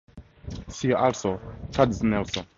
See also: Katznelson.